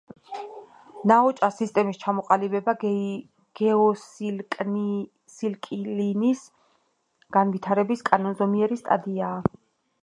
ნაოჭა სისტემის ჩამოყალიბება გეოსინკლინის განვითარების კანონზომიერი სტადიაა.